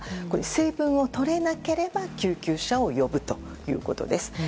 水分を取れなければ救急車を呼ぶということです。